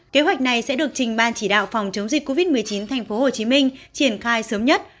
kế hoạch này sẽ được trình ban chỉ đạo phòng chống dịch covid một mươi chín tp hcm triển khai sớm nhất